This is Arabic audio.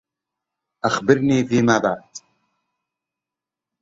أخبريني فيما بعد.